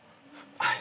はい。